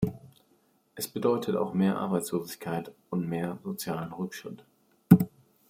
Es bedeutet auch mehr Arbeitslosigkeit und mehr sozialen Rückschritt.